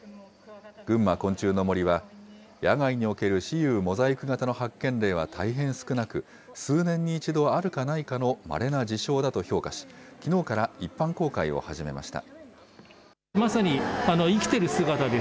ぐんま昆虫の森は、野外における雌雄モザイク型の発見例は大変少なく、数年に一度あるかないかのまれな事象だと評価し、きのうから一般公開を始めました。